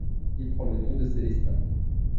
Il prend le nom de Célestin.